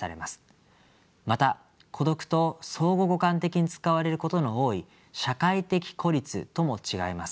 また孤独と相互互換的に使われることの多い社会的孤立とも違います。